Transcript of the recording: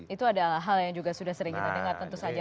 itu adalah hal yang juga sudah sering kita dengar tentu saja